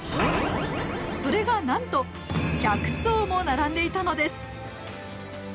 それがなんと百層も並んでいたのです！